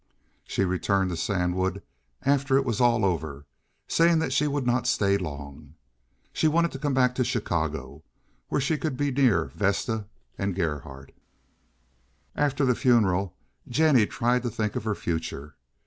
She returned to Sandwood after it was all over, saying that she would not stay long. She wanted to come back to Chicago, where she could be near Vesta and Gerhardt. After the funeral Jennie tried to think of her future.